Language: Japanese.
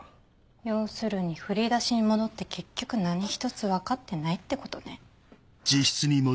要するに振り出しに戻って結局何一つ分かってないってことね？